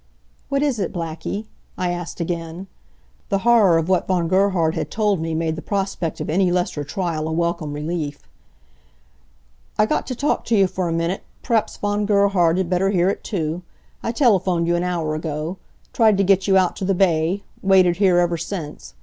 "What is it Blackie?" I asked again. The horror of what Von Gerhard had told me made the prospect of any lesser trial a welcome relief. "I got t' talk to you for a minute. P'raps Von Gerhard 'd better hear it, too. I telephoned you an hour ago. Tried to get you out to the bay. Waited here ever since.